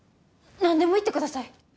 何でも言ってください。